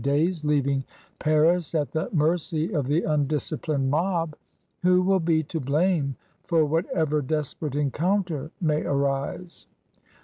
21$ days, leaving Paris at the mercy of the undisciplined mob, who will be to blame for whatever desperate encounter may arise?